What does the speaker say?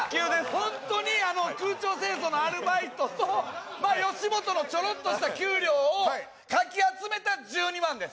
ホントに空調清掃のアルバイトと吉本のちょろっとした給料をかき集めた１２万です